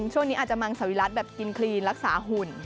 ช่วงนี้อาจจะมังสวิรัติแบบกินคลีนรักษาหุ่น